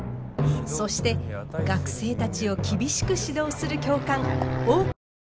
そして学生たちを厳しく指導する教官大河内